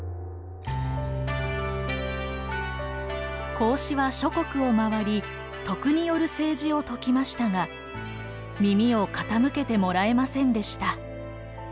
孔子は諸国を回り徳による政治を説きましたが耳を傾けてもらえませんでした。